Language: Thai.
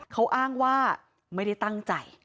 เขาอ้างว่าไม่ได้ตั้งใจ